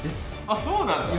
あっそうなんだ！